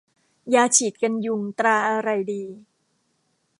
ยาฉีดกันยุงตราอะไรดี